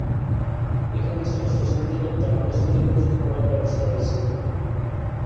এখানে ষষ্ঠ শ্রেণী থেকে দ্বাদশ শ্রেণী পর্যন্ত পড়ার ব্যবস্থা রয়েছে।